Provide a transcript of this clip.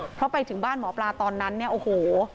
เพราะไปถึงบ้านหมอปลาตอนนั้นเนี่ยโอ้โห